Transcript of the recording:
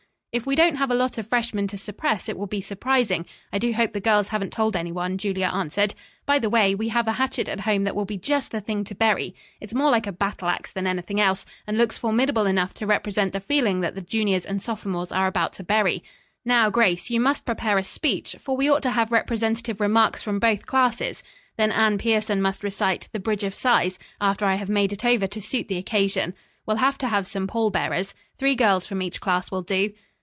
"If we don't have a lot of freshmen to suppress it will be surprising. I do hope the girls haven't told anyone," Julia answered. "By the way, we have a hatchet at home that will be just the thing to bury. It is more like a battle ax than anything else, and looks formidable enough to represent the feeling that the juniors and sophomores are about to bury. Now, Grace, you must prepare a speech, for we ought to have representative remarks from both classes. Then Anne Pierson must recite 'The Bridge of Sighs,' after I have made it over to suit the occasion. We'll have to have some pallbearers. Three girls from each class will do."